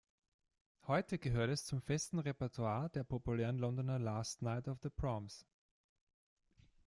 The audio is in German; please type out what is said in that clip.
Heute gehört es zum festen Repertoire der populären Londoner „Last Night of the Proms“.